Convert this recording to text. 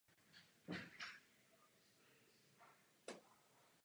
Všechny tyto štíty se skládají z menších bloků.